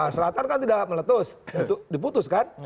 selatan kan tidak meletus untuk diputus kan